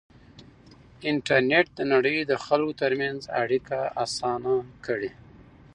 انټرنېټ د نړۍ د خلکو ترمنځ اړیکه اسانه کړې.